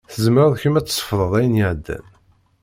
Tzemreḍ kemm ad tsefḍeḍ ayen iɛeddan?